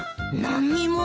何にも？